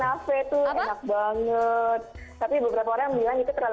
tapi beberapa orang bilang itu terlalu manis tapi saya senang banget